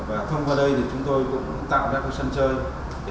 và thông qua đây chúng tôi cũng tạo ra một sân chơi